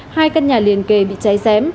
hai căn nhà liền kề bị cháy xém